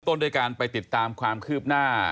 ด้วยการไปติดตามความคืบหน้า